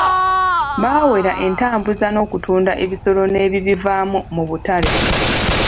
Baawera entambuza n'okutunda ebisolo n'ebibivaamu mu butale.